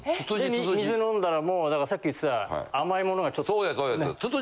水飲んだらもうだからさっき言ってた甘いものがちょっと。